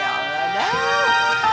ya allah dong